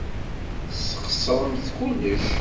Tesxeṣremt kullec.